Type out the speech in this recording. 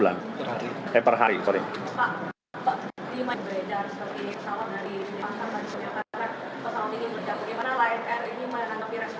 lain air ini menangkapi respon dari masyarakat yang banyak sekali pak